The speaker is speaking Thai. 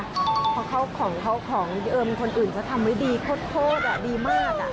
เพราะเขาของเขาของเออมคนอื่นจะทำไว้ดีโคตรโคตรอ่ะดีมากอ่ะ